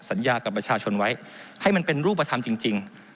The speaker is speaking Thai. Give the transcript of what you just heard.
สัญญากับประชาชนไว้ให้มันเป็นรูปธรรมจริง